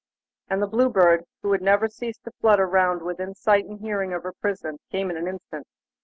And the Blue Bird, who had never ceased to flutter round within sight and hearing of her prison, came in an instant.